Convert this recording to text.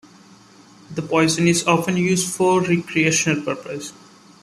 The poison is often used for recreational purposes.